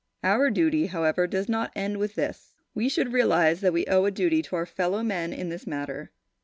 Our duty, however, does not end with this. We should realise that we owe a duty to our fellowmen in this matter.